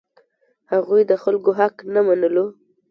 هغوی د خلکو حق نه منلو.